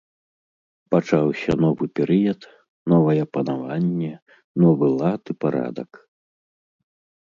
Пачаўся новы перыяд, новае панаванне, новы лад і парадак.